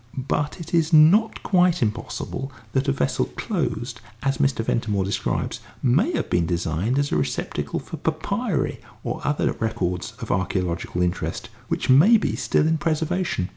But it is not quite impossible that a vessel closed as Mr. Ventimore describes may have been designed as a receptacle for papyri or other records of archæological interest, which may be still in preservation.